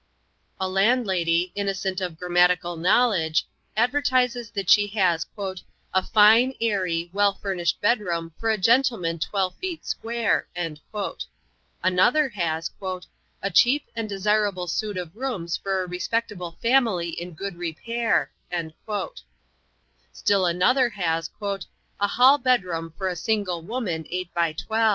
A landlady, innocent of grammatical knowledge, advertises that she has "a fine, airy, well furnished bedroom for a gentleman twelve feet square"; another has "a cheap and desirable suit of rooms for a respectable family in good repair"; still another has "a hall bedroom for a single woman 8 × 12."